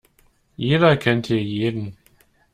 Jeder kennt hier jeden.